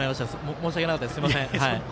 申し訳なかったです、すいません。